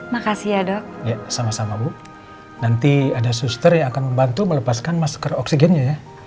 makasih ya dok sama sama bu nanti ada suster yang akan membantu melepaskan masker oksigennya ya